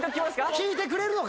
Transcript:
聞いてくれるのか